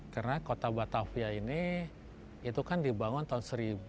karena kota batavia ini itu kan dibangun tahun seribu enam ratus dua puluh seribu enam ratus lima puluh